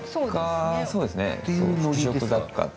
そうですね。